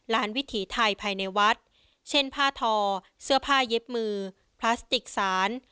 วิถีไทยภายในวัดเช่นผ้าทอเสื้อผ้าเย็บมือพลาสติกสาร